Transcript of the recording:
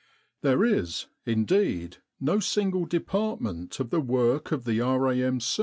There is, indeed, no single department of the work of the R.A.M.